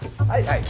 はい。